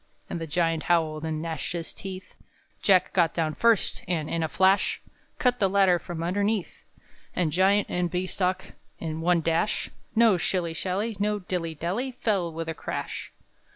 _" And the Giant howled, and gnashed his teeth. Jack got down first, and, in a flash, Cut the ladder from underneath; And Giant and Bean stalk, in one dash, No shilly shally, no dilly dally, Fell with a crash.